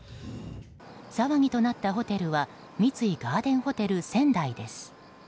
騒ぎとなったホテルは三井ガーデンホテル仙台です。